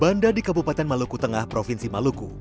banda di kabupaten maluku tengah provinsi maluku